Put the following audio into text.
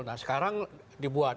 nah sekarang dibuat